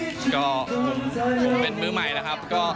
ผมเป็นมือใหม่นะครับ